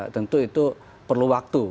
tentu itu perlu waktu